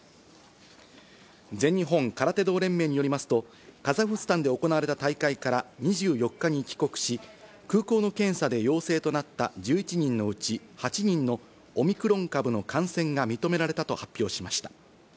全日本空手道連盟によりますと、カザフスタンで行われた大会から２４日に帰国し、空港の検査で陽性となった１１人のうち８人のオミクロン株への感染が認められたと発表しました。